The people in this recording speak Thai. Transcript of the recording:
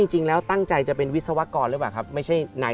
จริงแล้วตั้งใจจะเป็นวิศวกรหรือเปล่าครับไม่ใช่นาย